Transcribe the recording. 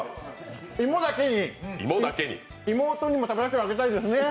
芋だけに、妹にも食べさせてあげたいですね。